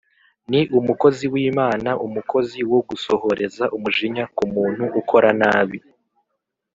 Ni umukozi w’Imana umukozi wo gusohoreza umujinya ku muntu ukora nabi